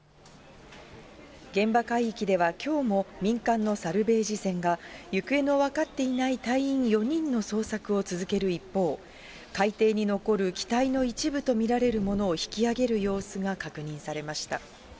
現場海域ではきょうも民間のサルベージ船が、行方の分かっていない隊員４人の捜索を続ける一方、海底に残る機体の一部と見られるものを引き揚げる様子が確認されました。